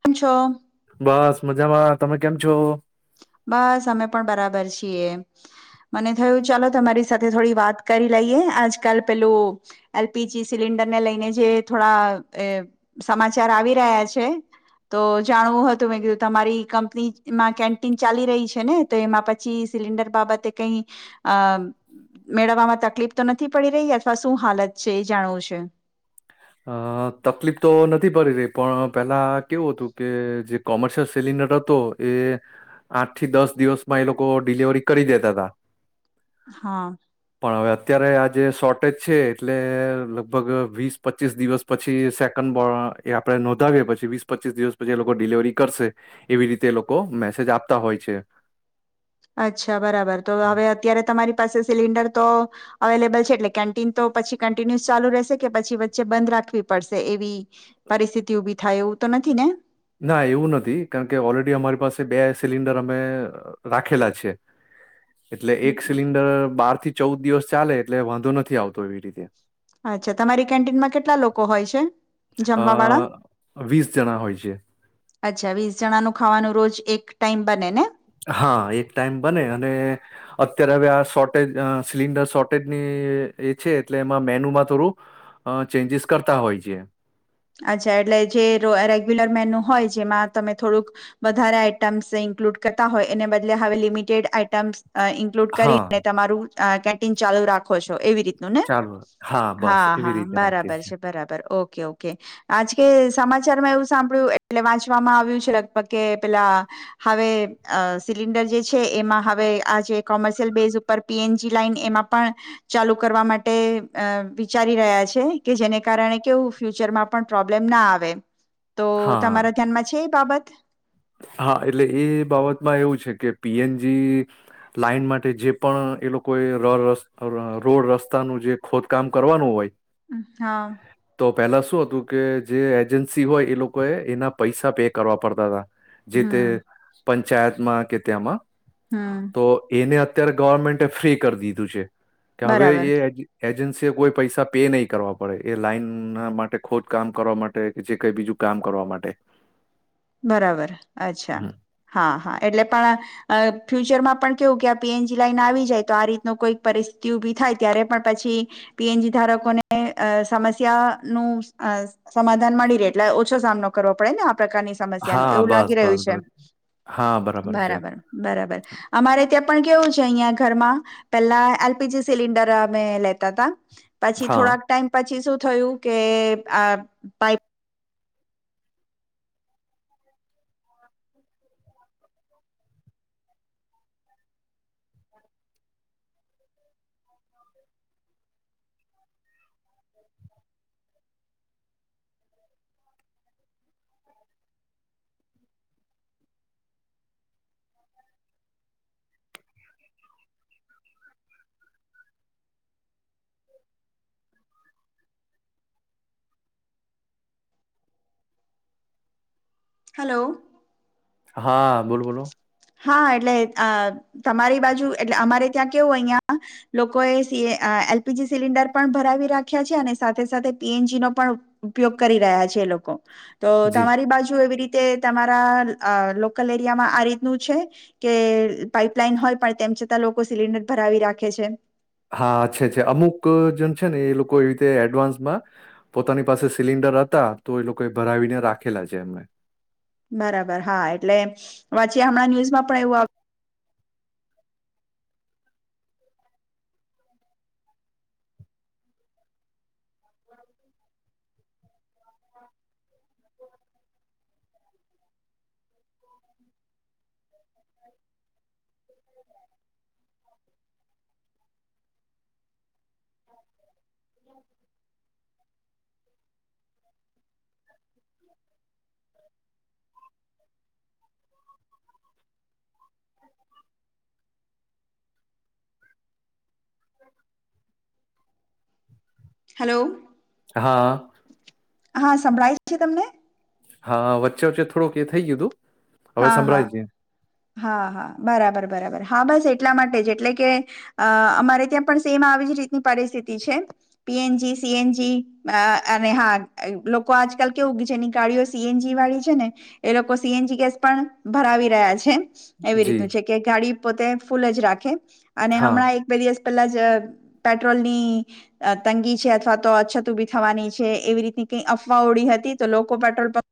કેમ છો? બસ મજામાં તમે કેમ છો? બસ અમે પણ બરાબર છીએ, મને થયું ચાલો તમારી સાથે થોડી વાત કરી લઈએ આજકાલ પેલું એલપીજી સિલિન્ડરને લઈને જે થોડા સમાચાર આવી રહ્યા છે તો જાણવું હતું મેં કીધું તમારી કંપનીમાં કે ટીન ચાલી રહી છે ને તો એમાં પછી સિલિન્ડર બાબતે કઈ અ મેળવવામાં તકલીફ તો નથી પડી રહી અથવા શું હાલત છે એ જાણવું છે. અ તકલીફ તો નથી પડી રહી પણ પેલા કેવું હતું કે જે કોમર્શિયલ સેલિન્ડર હતો એ આઠ થી દસ દિવસ માં એ લોકો ડિલિવરી કરી દેતા હતા હા. પણ હવે અત્યારે આ જે શોર્ટેજ છે એટલે લગભગ વીસ પચીસ દિવસ પછી સેકન્ડ આપણે નોંધાવી પછી વીસ પચીસ દિવસ પછી એ લોકો ડિલવરી કરશે એવી રીતે એ લોકો મેસેજ આપતા હોય છે અચ્છા બરાબર તો હવે અત્યારે તમારી પાસે સિલિન્ડર તો અવેલેબલ છે એટલે કેન્ટીન તો પછી કન્ટિન્યુસ ચાલુ રહેશે કે પછી વચ્ચે બંધ રાખવી પડશે એવી પરિસ્થિતિ ઉભી થાય એવું તો નથી ને ના એવું નથી કારણકે ઓલરેડી અમારી પાસે બે સિલિન્ડર અમે રાખેલા છે. એટલે એક સિલિન્ડર બાર થી ચવુદ દિવસ ચાલે એટલે વાંધો નથી આવતો એવી રીતે અચ્છા તમારી કેન્ટીનમાં કેટલા લોકો હોય છે અ જમવા વાળા વીસ જણા હોય છે. અચ્છા વીસ જણાનુ ખાવાનું રોજ એક ટાઈમ બને ને? હા એક ટાઈમ બને અને અત્યારે હવે આ શોર્ટેજ સિલિન્ડર શોર્ટેજની એ છે એટલે એમાં મેન્યુમાં થોડું ચેન્જીસ કરતા હોય છે. અચ્છા એટલે જે રેગ્યુલર મેન્યુ હોય જેમાં તમે થોડુંક વધારે આઈટમ્સ ઈન્ક્લુડ કરતા હોય એને બદલે હવે લિમિટેડ આઈટમ્સ અ ઇન્ક્લુડ હા કરીને તમારું અહ કેન્ટીન ચાલુ રાખો છો એવી રીત નું ને. ચાલો બસ હા એવી હા રીતે રાખીએ બરાબર છીએ છે બરાબર ઓકે ઓક એ આજ કે સમાચારમાં એવું સાંભળ્યું એટલે વાંચવામાં આવ્યું છે લગભગ કે પેલા હવે અહ સિલિન્ડર જે છે એમાં હવે આ જે કોમર્શિયલ બેઝ ઉપર પી એન જી લાઈન એમાં પણ ચાલુ કરવા માટે અહ વિચારી રહ્યા છે કે જેને કારણે કેવું ફ્યુચરમાં પણ પ્રોબ્લેમ ના આવે. તો તમારા હા ધ્યાનમાં છે એ બાબત? [inaudible] પી એન જી લાઈન માટે જે પણ એ લોકોએ ર-રસ ર રોડ રસ્તાનું જે ખોદકામ કરવાનું હોય અ હા. તો પેલા શું હતું કે જે એજન્સી હોય એ લોકો એ એના પૈસા પે કરવા પડતા તા. જે તે હમ પંચાયતમાં કે ત્યાંમાં હમ તો એને અ અત્યારે ગવર્મેન્ટ ફ્રી કર દીધું છે. કે હવે બરાબર એ એજી એજન્સી એ કોઈ પૈસા પે નહીં કરવા પડે એ લાઈન ના માટે ખોદ કામ કરવા માટે કે જે કઈ બીજું કામ કરવા માટે. બરાબર અચ્છા હમ. હા હા એટલે પણ અહ ફ્યુચરમાં પણ કેવું કે આ પી એન જી લાઈન આવી જાય તો આ રીતનો કોઈક પરિસ્થિતિ ઉભી થાય ત્યારે પણ પછી પી એ નજી ધારકોને અહ સમસ્યા નું અહ સમાધાન મળી રહે એટલે ઓછો સામનો કરવો પડે ને આ પ્રકારની સમ્યા ન હા એવું લાગી બસ રહ્યું બસ છે, બસ હા છે બરાબર બરાબર અમારે ત્યાં પણ કેવું છે અહિયાં ઘરમાં, પેલા એલ પી જી સિલિન્ડર અમે લેતા તા. પછી હા થોડાક ટાઈમ પછી શું થયું કે આ પાઈપ હલો. હા બોલો બોલો. હા એટલે આ તમારી બાજુ એટલે અમારે ત્યાં કેવું અહિયાં, લોકોએ સ એલ પી જી સિલિન્ડર પણ ભરાવી રાખ્યા છે અને સાથે સાથે સી એન જી નો પણ ઉપયોગ કરી રહ્યા છે એ લોકો. તો જી તમારી બાજુ એવી રીતે તમારા લોકલ આ રીતનું છે, કે પાઈપલાઈન હોય પણ તેમ છતાં લોકો સિલિન્ડર ભરાવી રાખે છે. હા અચ્છા અચ્છા અમુક જણ છે ને એ લોકો એ રીતે એડવાન્સમાં, પોતાની પાસે સિલિન્ડર હતા તો એ લોકો એ ભરાવીને રાખેલા છે એમને. બરાબર હા એટલે, વચ્ચે હમણાં ન્યુઝમાં પણ એવું આવ હમ. [inaudible] [inaudible] હલો. હા. હા સંભળાય છે તમને? હા વચ્ચે વચ્ચે થોડુંક એ થઈ ગય હતું. હવે હા હા સંભ્રાય છે. હા હા બરાબર બરાબર. હા બસ એટલા માટે જ એટલે કે અહ અમારે ત્યાં પણ સેમ આવી જ રીતની પરિસ્થિતિ છે. P N G C N G અહ અને હા એ લોકો આજકાલ કેવું જેની ગાડીઓ સી એન જી વાળી છે ને એ લોકો સી એન જી ગેસ પણ ભરાવી રહ્યા છ છે. એવી જી, રીતનું છે કે ગાડી પોતે ફૂલ જ રાખે અને હા, હમણાં એક બે દિવસ પેલા જ પેટ્રોલ ની અહ તંગી છે અથવા તો અછત ઉભી થવાની છે એવી રીતની કઈ અફવા ઓડી હતી તો લોકો પેટ્રોલ પ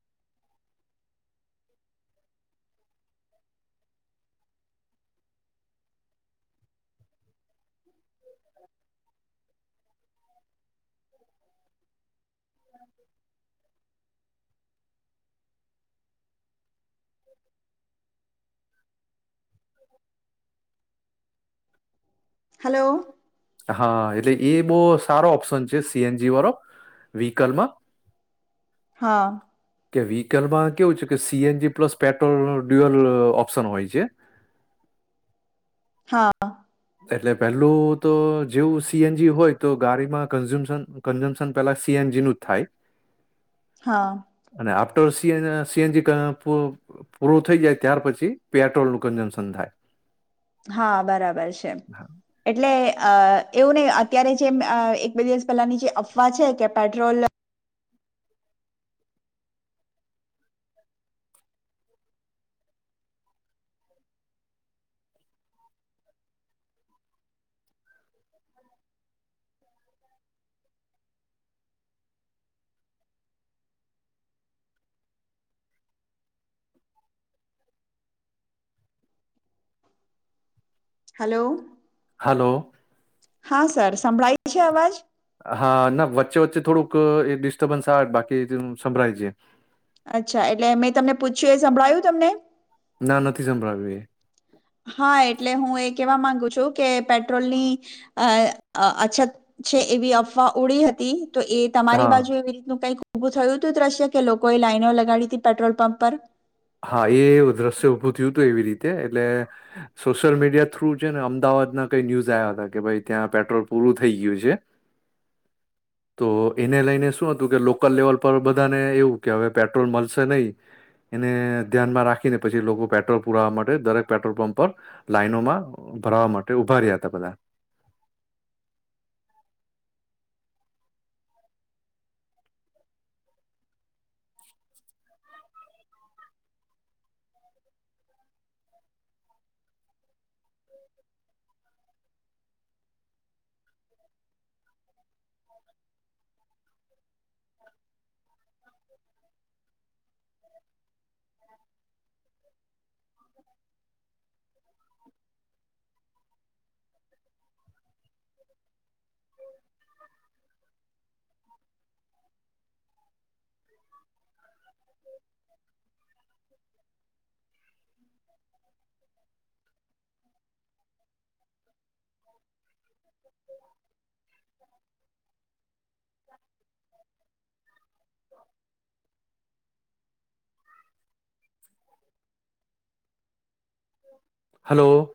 હલો. હા એટલે એ બોહ સારો ઓપ્શન છે સી એન જી વાળો વ્હકલમાં. હા. કે વ્હીકલમાં કેવું છે કે C N G plus petrol dual option હોય છે. હા. એટલે પેલું તો જેવું સી એન જી હોય તો ગાડીમાં કનજીયુજમ કન્જ્યમશન પેલા સી એન જી નું જ થાય. હા. તો સી એ સી એન જી પૂ-પૂરું થઈ જાય ત્યાર પછી પેટ્રોલ નું કન્જમ્શન થાય. હા, બરાબર છ છે. એટલે અહ એવું નહી અત્યારે જેમ અહ એક બે દિવસ પહેલાની જે અફવા છે કે પેટ્રોલ હલો. હલો. હા સર સંભળાઈ હા ના વચ્ચે વચ્ચે થોડુંક એ ડિસ્ટર્બન્સ આવે બાકી સંભળાય છે. અચ્છા એટલે મેં તમને પૂછ્યું એ સંભળાયું તમને? ના નથી સંભળાવ્યું એ. હા એટલે હું એ કહેવા માંગુ કે પેટ્રોલ ની, અ અછત છે એવી અફવા ઉડી હતી. તો એ તમારી હા બાજુ એવી રીતનું કઈક ઊભું થયું હતું દ્રશ્ય કે લોકોએ લાઇનો લગાડી હતી પેટ્રોલ પંપ પર. હા એવું દ્રશ્ય ઊભું થય હતું એવી રીતે, એટલે સોશિયલ મીડિયા થ્રુ છે ને અમદાવાદના કઈ ન્યૂઝ આવ્યા હતા કે ભાઈ ત્યાં પેટ્રોલ પૂરું થઈ ગયું છે, તો એને લઈને શું હતું કે લોકલ લેવલ પર બધાને એવું કે હવે પેટ્રોલ મળશે નહી. એને ધ્યાનમાં રાખીને પછી લોકો પેટ્રોલ પુરાવા માટે દરેક પેટ્રોલ પંપ પર, લાઈનોમાં ભરાવા માટે ઉભા રહ્યા હતા બધા. [inaudible] [inaudible] હલો.